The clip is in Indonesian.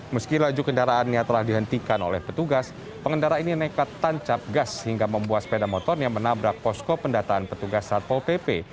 meski laju kendaraannya telah dihentikan oleh petugas pengendara ini nekat tancap gas hingga membuat sepeda motor yang menabrak posko pendataan petugas satpol pp